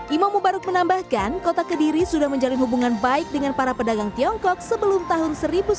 imam mubaruk menambahkan kota kediri sudah menjalin hubungan baik dengan para pedagang tiongkok sebelum tahun seribu sembilan ratus sembilan puluh